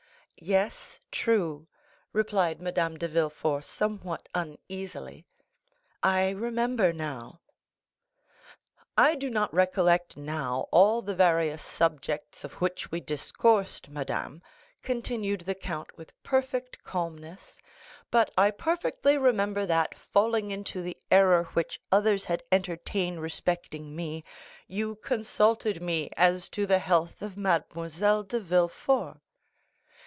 "Yes, true," replied Madame de Villefort, somewhat uneasily, "I remember now." "I do not recollect now all the various subjects of which we discoursed, madame," continued the count with perfect calmness; "but I perfectly remember that, falling into the error which others had entertained respecting me, you consulted me as to the health of Mademoiselle de Villefort."